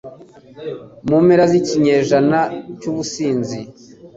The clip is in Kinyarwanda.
Mu mpera z'ikinyejana cy'ubusinzi